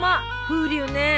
風流ね。